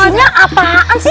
disini apaan sih